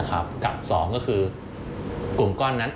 กับ๒ก็คือกลุ่มก้อนนั้น